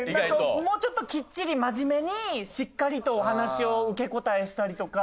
もうちょっときっちり真面目にしっかりとお話を受け答えしたりとか。